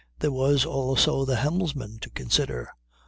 There was also the helmsman to consider.